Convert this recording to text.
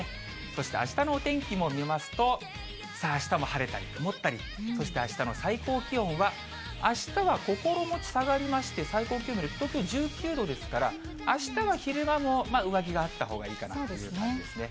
そしてあしたのお天気も見ますと、あしたも晴れたり、曇ったり、そしてあしたの最高気温は、あしたは心持ち下がりまして、最高気温が東京１９度ですから、あしたは昼間も上着があったほうがいいかなという感じですね。